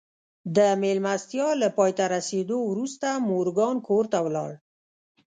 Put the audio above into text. د مېلمستیا له پای ته رسېدو وروسته مورګان کور ته ولاړ